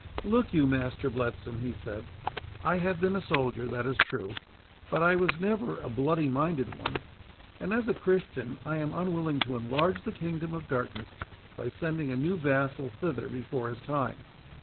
"Look you, Master Bletson," he said, "I have been a soldier, that is true, but I was never a bloody minded one; and, as a Christian, I am unwilling to enlarge the kingdom of darkness by sending a new vassal thither before his time.